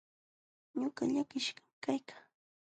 Ñuqa llakishqan kaykaa.